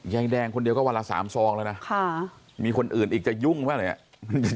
ยายแดงคนเดียวก็วันละสามซองแล้วนะมีคนอื่นอีกจะยุ่งป่ะเหรอเนี่ย